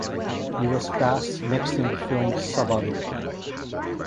He was cast next in the film "Sabado".